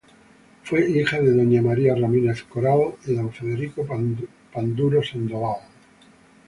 Fue hija de doña María Ramírez Coral y don Federico Panduro Sandoval.